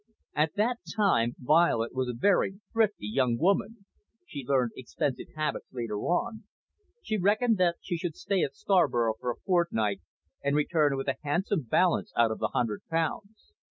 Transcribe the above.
At that time Violet was a very thrifty young woman she learned expensive habits later on she reckoned that she would stay at Scarborough for a fortnight, and return with a handsome balance out of the hundred pounds.